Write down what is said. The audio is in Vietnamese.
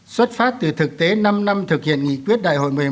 xuất phát từ thực tế năm năm thực hiện nghị quyết đại hội một mươi một